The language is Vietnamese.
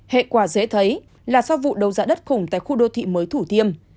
hệ quả dễ thấy là sau vụ đấu giá đất khủng tại khu đô thị mới thủ thiêm